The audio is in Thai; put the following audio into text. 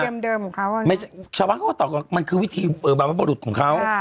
วิธีเดิมของเขาชาวภัคดิ์ก็ตอบว่ามันคือวิธีบรรพบรุษของเขา